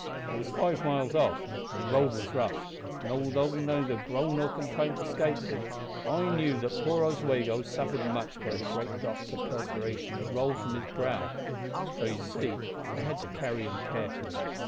It was five miles off, and the road was rough, and although neither groan nor complaint escaped him, I knew that poor Oswego suffered much by the great drops o' perspiration that rolled from his brow; so, you see, I had to carry him carefully.